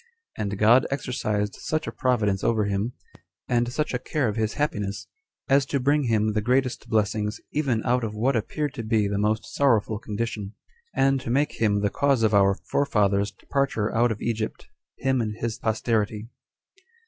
And God exercised such a providence over him, and such a care of his happiness, as to bring him the greatest blessings, even out of what appeared to be the most sorrowful condition; and to make him the cause of our forefathers' departure out of Egypt, him and his posterity.